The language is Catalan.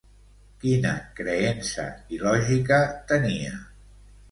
Quina creença il·lògica tenia?